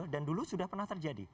dan dulu sudah pernah terjadi